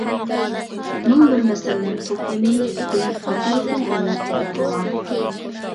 «مىڭبىر مەسەللەر توپلىمى» دىن ئابدۇرۇسۇل ئۆمەر تەييارلىغان.